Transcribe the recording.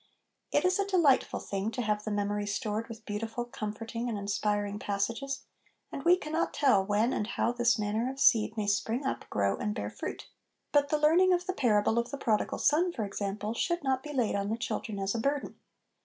It is a delightful thing to have the memory stored with beautiful, comforting, and inspiring passages, and we cannot tell when and how this manner of seed may spring up, grow, and bear fruit; but the learning of the parable of the Prodigal Son, for example, should not be laid on the children as a burden.